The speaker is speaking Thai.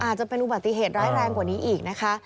อาจจะเป็นอุบัติเหตุร้ายแรงกว่านี้อีกนะคะ